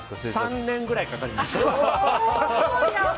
３年ぐらいかかります。